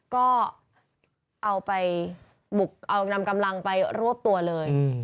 ก็เอานำกำลังไปรวบตัวเลย